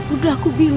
udah aku bilang